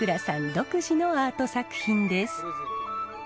独自のアート作品です。